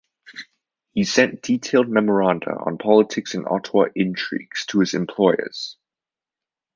He sent detailed memoranda on politics and Ottawa intrigues to his employers.